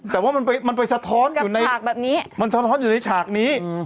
แต่ว่ามันไปสะท้อนอยู่ในอยู่ในฉากนี้